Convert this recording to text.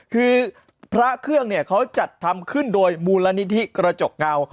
คือพระเครื่องเนี่ยเขาจัดทำขึ้นโดยมูลนิธิกระจกเงา